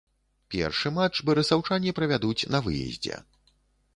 Першы матч барысаўчане правядуць на выездзе.